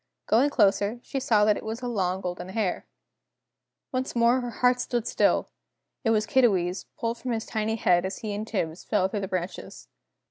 Going closer, she saw that it was a long golden hair. Once more her heart stood still! It was Kiddiwee's, pulled from his tiny head as he and Tibbs fell through the branches.